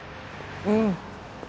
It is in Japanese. うん。